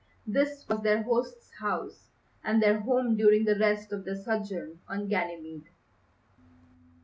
This was their host's house, and their home during the rest of their sojourn on Ganymede.